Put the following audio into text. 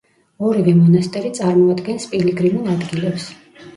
ორივე მონასტერი წარმოადგენს პილიგრიმულ ადგილებს.